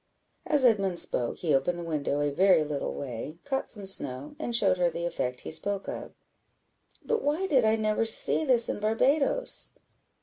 As Edmund spoke, he opened the window a very little way, caught some snow, and showed her the effect he spoke of. "But why did I never see this in Barbadoes?"